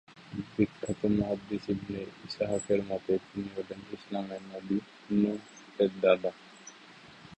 বিখ্যাত মুহাদ্দিস ইবনে ইসহাকের মতে, তিনি হলেন ইসলামের নবী নূহ এর দাদা।